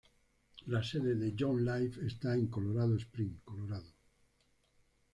La sede de Young Life está en Colorado Springs, Colorado.